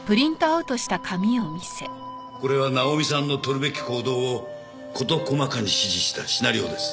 これはナオミさんの取るべき行動を事細かに指示したシナリオです。